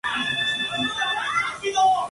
Murió en París a la edad de seis años.